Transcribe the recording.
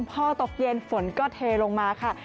พอตกเย็นฝนก็เทลงมาค่ะ